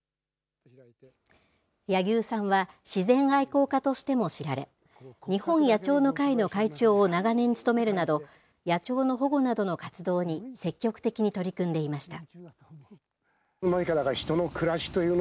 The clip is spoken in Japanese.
柳生さんは、自然愛好家としても知られ、日本野鳥の会の会長を長年務めるなど、野鳥の保護などの活動に積極的に取り組んでいました。